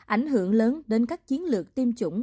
ảnh hưởng lớn đến các chiến lược tiêm chủng